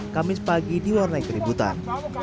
kamis pagi diwarnai keributan